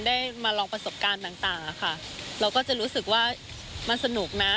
ได้มาลองประสบการณ์ต่างค่ะเราก็จะรู้สึกว่ามันสนุกนะ